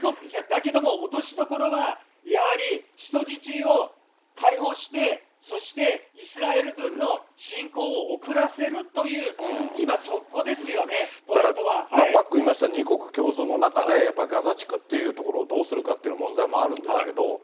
だけども落としどころはやはり人質を解放して、そしてイスラエル軍の侵攻を遅らせるという、今、パックン言いました、２国共存の中で、やっぱガザ地区という所をどうするかという問題もあるんですけど。